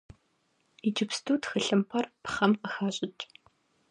Иджыпсту тхылъымпӏэр пхъэм къыхащӏыкӏ.